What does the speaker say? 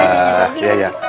ujian usahak terima ya